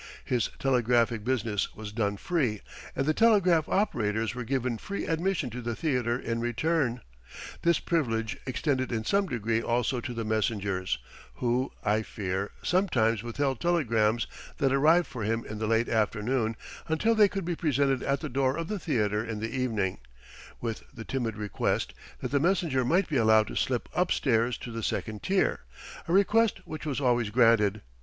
His telegraphic business was done free, and the telegraph operators were given free admission to the theater in return. This privilege extended in some degree also to the messengers, who, I fear, sometimes withheld telegrams that arrived for him in the late afternoon until they could be presented at the door of the theater in the evening, with the timid request that the messenger might be allowed to slip upstairs to the second tier a request which was always granted.